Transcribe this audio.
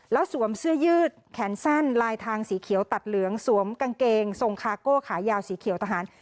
แล้วสวมเสื้อยืดแขนสั้นลายทางสีเขียวตัดเหลืองสวมกางเกงทรงคาโก้ขายาวสีเขียวทหาร